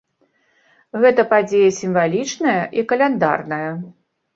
Гэта падзея сімвалічная і каляндарная.